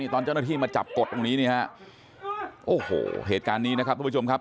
ตอนเจ้าหน้าที่มาจับกดตรงนี้นี่ฮะโอ้โหเหตุการณ์นี้นะครับทุกผู้ชมครับ